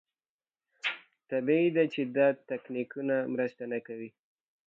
طبیعي ده چې دا تکتیکونه مرسته نه کوي.